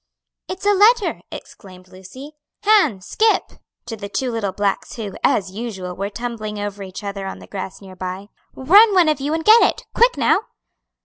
"It's a letter!" exclaimed Lucy. "Han, Scip," to the two little blacks who, as usual, were tumbling over each other on the grass near by, "run, one of you and get it, quick now!"